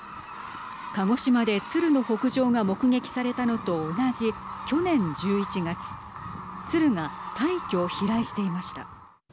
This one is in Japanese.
鹿児島で鶴の北上が目撃されたのと同じ去年１１月鶴が大挙飛来していました。